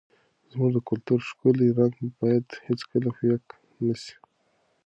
زموږ د کلتور ښکلی رنګ باید هېڅکله پیکه نه سي.